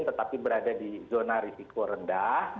tetapi berada di zona risiko rendah